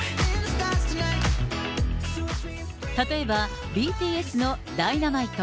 例えば、ＢＴＳのＤｙｎａｍｉｔｅ。